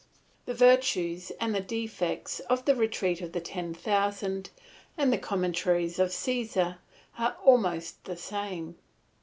The virtues and defects of the Retreat of the Ten Thousand and the Commentaries of Caesar are almost the same.